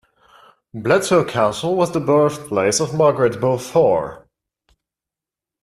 Bletsoe Castle was the birthplace of Margaret Beaufort.